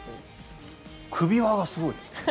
首輪がすごいですね。